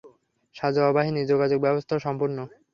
সাঁজোয়া বাহিনী, যোগাযোগ ব্যাবস্থাও সম্পূর্ণ।